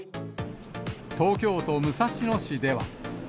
東京都武蔵野市では。